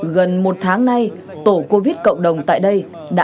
gần một tháng nay tổ covid cộng đồng tại đây đã thử thách